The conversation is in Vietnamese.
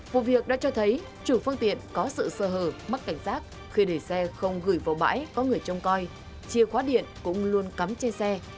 vụ việc đã cho thấy chủ phương tiện có sự sơ hở mắc cảnh giác khi để xe không gửi vào bãi có người trông coi chia khóa điện cũng luôn cắm trên xe